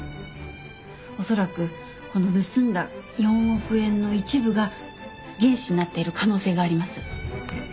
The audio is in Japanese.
おそらくこの盗んだ４億円の一部が原資になっている可能性があります。